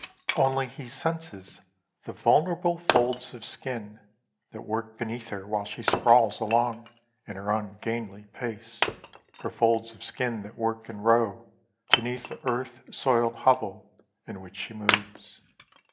Only he senses the vulnerable folds of skin That work beneath her while she sprawls along In her ungainly pace, Her folds of skin that work and row Beneath the earth soiled hovel in which she moves.